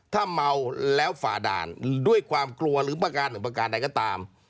ถ้าเมาแล้วฝ่าด่านด้วยความกลัวหรือประการหนึ่งประการใดก็ตาม